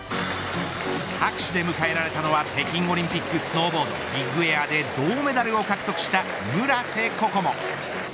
拍手で迎えられたのは北京オリンピックスノーボードビックエアで銅メダルを獲得した村瀬心椛。